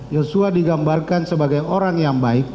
yosua digambarkan sebagai orang yang baik